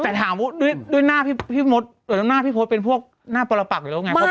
แต่ถามด้วยด้วยหน้าพี่พี่มดหรือด้วยหน้าพี่โพสต์เป็นพวกหน้าประปักหรือเปล่าไง